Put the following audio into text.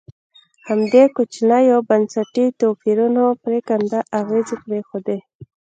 همدې کوچنیو بنسټي توپیرونو پرېکنده اغېزې پرېښودې.